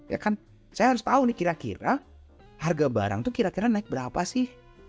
ya kan saya harus tahu nih kira kira harga barang itu kira kira naik berapa sih